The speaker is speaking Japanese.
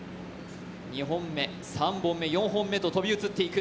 ２本目、３本目、４本目と飛び移っていく。